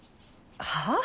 はあ？